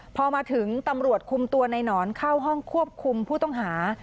พอมาถึงตำรวจคุมตัวในหนอนเข้าห้องควบคุมผู้ต้องหา